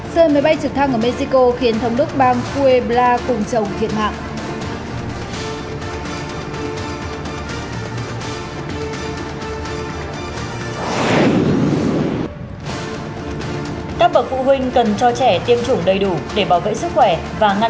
sơn máy bay trực thăng ở mexico khiến thống đức bang puebla cùng chồng thiệt mạng